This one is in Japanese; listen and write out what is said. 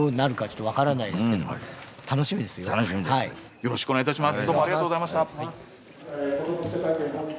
よろしくお願いします。